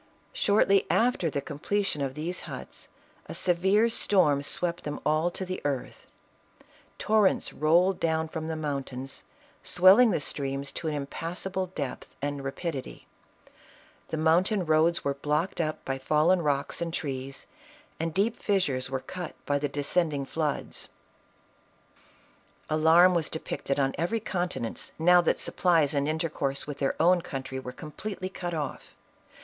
Shortly after the completion of these huts, a severe storm swept them all to the earth ; torrents rolled down from the mountains, swelling the streams to an impassable depth and rapidity ; the mountain roads were blocked up by fallen rocks and trees, and deep fissures were cut by the descending floods. Alarm was depicted on every countenance, now that supplies and intercourse with their own country were completely cut off.